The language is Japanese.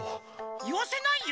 いわせないよ。